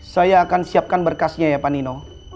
saya akan siapkan berkasnya ya pak nino